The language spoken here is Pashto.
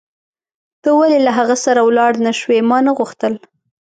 ته ولې له هغه سره ولاړ نه شوې؟ ما نه غوښتل.